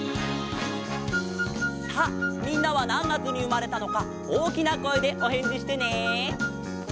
さあみんなはなんがつにうまれたのかおおきなこえでおへんじしてね！